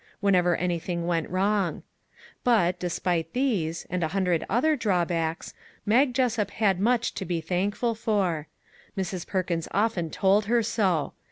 whenever anything went wrong. But, despite these, and a hundred other drawbacks, Mag Jessup had much to be thankful for. Mrs. Perkins often told her so.